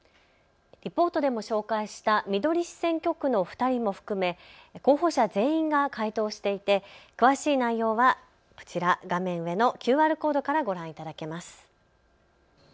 リポートでも紹介したみどり市選挙区の２人も含め候補者全員が回答していて詳しい内容はこちら、画面上のＱＲコードからご覧いただけます。